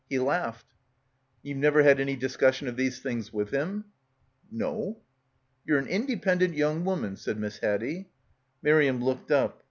He laughed." "And ye've never had any discussion of these things with him?" "No." "Ye're an independent young woman," said Miss Haddie. Miriam looked up.